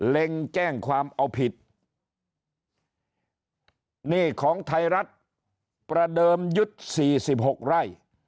เล็งแจ้งความเอาผิดหนี้ของไทยรัฐประเดิมยึดสี่สิบหกไร่